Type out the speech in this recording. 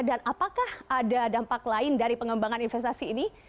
dan apakah ada dampak lain dari pengembangan investasi ini